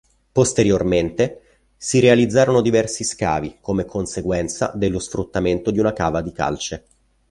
Posteriormente si realizzarono diversi scavi come conseguenza dello sfruttamento di una cava di calce.